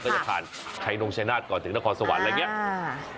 แล้วก็จะผ่านไทยโน้งชัยนาศก่อนถึงนักของสวรรค์อะไรอย่างนี้